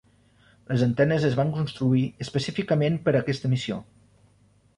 Les antenes es van construir específicament per a aquesta missió.